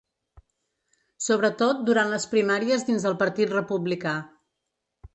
Sobretot durant les primàries dins el partit republicà.